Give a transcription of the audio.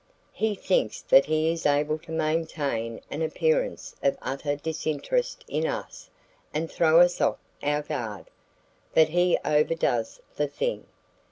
He thinks that he is able to maintain an appearance of utter disinterest in us and throw us off our guard. But he overdoes the thing.